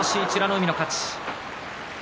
海の勝ち。